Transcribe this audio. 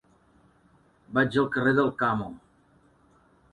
Vaig al carrer d'Alcamo.